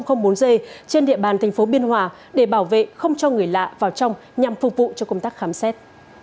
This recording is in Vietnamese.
trên địa bàn thành phố biên hòa để bảo vệ không cho người lạ vào trong nhằm phục vụ cho công tác khám xét